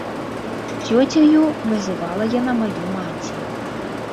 Цёцяю называла яна маю маці.